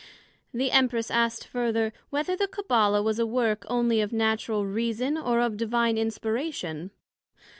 The Empress asked further, Whether the Cabbala was a work onely of Natural Reason, or of Divine Inspiration?